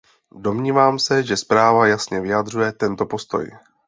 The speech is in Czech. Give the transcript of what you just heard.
Domnívám se, že zpráva jasně vyjadřuje tento postoj.